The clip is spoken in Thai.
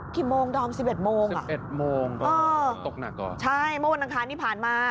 ที่โมงดอม๑๑โมงอ่ะอ่อใช่เมื่อวันทางค้านี้ผ่านมา